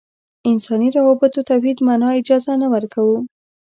انساني روابطو توحید معنا اجازه نه ورکوو.